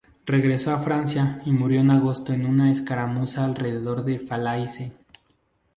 Regresó a Francia y murió en agosto en una escaramuza alrededor de Falaise.